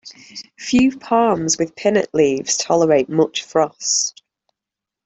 Few palms with pinnate leaves tolerate much frost.